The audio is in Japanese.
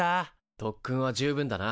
特訓は十分だな。